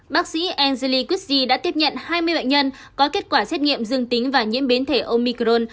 bác sĩ angely quessi đã tiếp nhận hai mươi bệnh nhân có kết quả xét nghiệm dương tính và nhiễm biến thể omicron